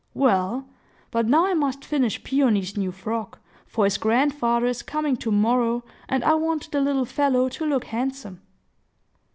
Well; but now I must finish Peony's new frock, for his grandfather is coming to morrow, and I want the little fellow to look handsome."